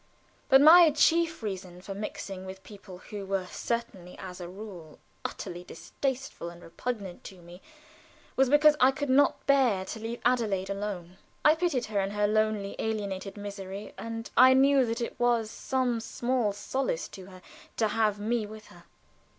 But my chief reason for mixing with people who were certainly as a rule utterly distasteful and repugnant to me, was because I could not bear to leave Adelaide alone. I pitied her in her lonely and alienated misery; and I knew that it was some small solace to her to have me with her.